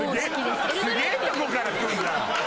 すげぇとこから来るな。